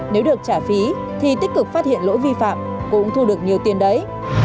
nếu được trả phí thì tích cực phát hiện lỗi vi phạm cũng thu được nhiều tiền đấy